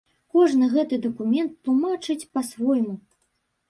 Кожны гэты дакумент тлумачыць па-свойму.